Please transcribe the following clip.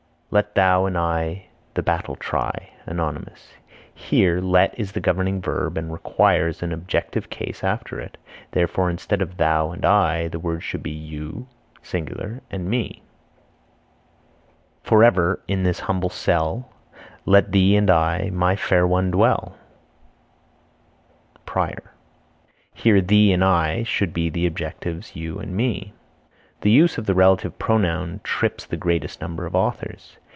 "Let thou and I the battle try" Anon. Here let is the governing verb and requires an objective case after it; therefore instead of thou and I, the words should be you (sing.) and me. "Forever in this humble cell, Let thee and I, my fair one, dwell" Prior. Here thee and I should be the objectives you and me. The use of the relative pronoun trips the greatest number of authors.